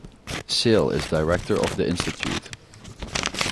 Sale is director of the institute.